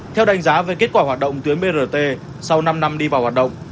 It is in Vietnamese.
theo đánh giá về kết quả hoạt động tuyến brt sau năm năm đi vào hoạt động